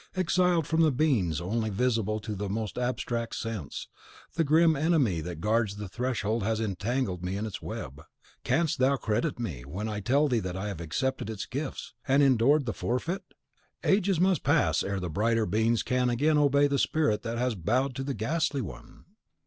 Exiled from the beings only visible to the most abstract sense, the grim Enemy that guards the Threshold has entangled me in its web. Canst thou credit me, when I tell thee that I have accepted its gifts, and endure the forfeit? Ages must pass ere the brighter beings can again obey the spirit that has bowed to the ghastly one!